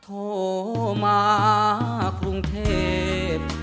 โทรมากรุงเทพ